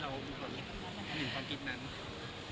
เราคิดเรามีความคิดมีความคิดนั้น